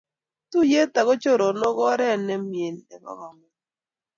Tuiyet ako choronook ko oret ne mie nebo kamung'et.